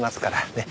ねっ。